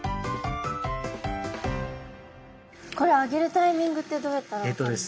これ上げるタイミングってどうやったら分かるんですか？